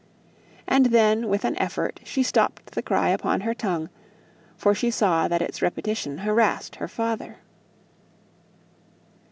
And then with an effort she stopped the cry upon her tongue, for she saw that its repetition harassed her father.